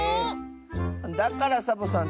だからサボさん